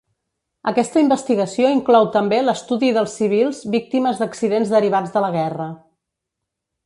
Aquesta investigació inclou també l'estudi dels civils víctimes d'accidents derivats de la guerra.